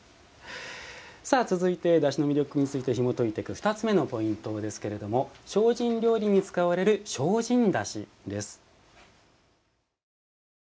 さあ続いてだしの魅力についてひもといていく２つ目のポイントですけれども「精進料理に使われる精進だし」です。